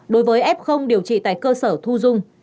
đối với f điều trị tại cơ sở thu dung